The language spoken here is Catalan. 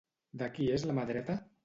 De qui és la mà dreta?